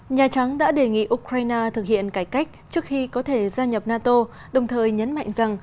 nhà trắng đã đề nghị ukraine thực hiện cải cách trước khi có thể gia nhập nato đồng thời nhấn mạnh rằng